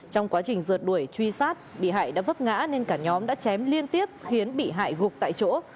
trong quá trình rượt đuổi truy sát bị hại đã vấp ngã nên cả nhóm đã chém liên tiếp khiến bị hại gục tại chỗ